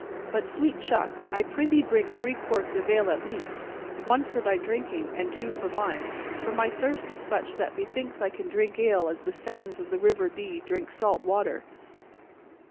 But, sweet chuck, I prythee bring three quarts of ale at least, one for thy drinking and two for mine, for my thirst is such that methinks I can drink ale as the sands of the River Dee drink salt water."